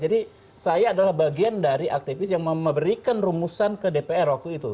jadi saya adalah bagian dari aktivis yang memberikan rumusan ke dpr waktu itu